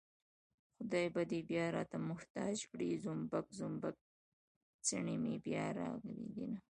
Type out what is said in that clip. خدای به دې بيا راته محتاج کړي زومبک زومبک څڼې مې بيا راغلي دينه